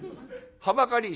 「はばかり」。